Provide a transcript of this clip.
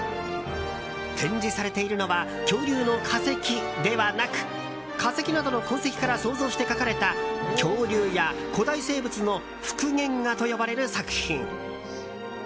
展示されているのは恐竜の化石ではなく化石などの痕跡から想像して描かれた恐竜や古代生物の復元画と呼ばれる作品。